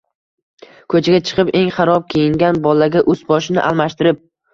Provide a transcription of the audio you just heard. ko’chaga chiqib, eng xarob kiyingan bolaga ust boshini almashtirib